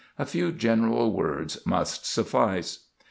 A few general words must suffice.